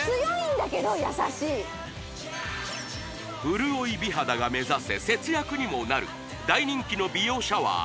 潤い美肌が目指せ節約にもなる大人気の美容シャワーＲｅＦａ